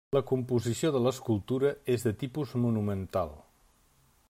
La composició de l'escultura és de tipus monumental.